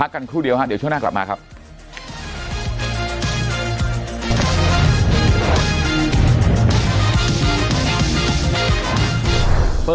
ขึ้นศาลครับผม